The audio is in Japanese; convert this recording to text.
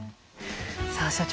さあ所長